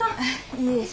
いえ。